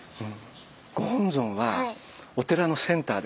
ご本尊はお寺のセンターです。